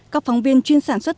các phóng viên chuyên sản xuất